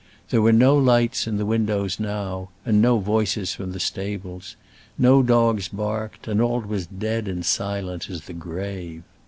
There were no lights in the windows now, and no voices came from the stables; no dogs barked, and all was dead and silent as the grave.